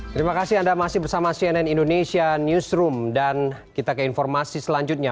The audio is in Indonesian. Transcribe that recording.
terima kasih anda masih bersama cnn indonesia newsroom dan kita ke informasi selanjutnya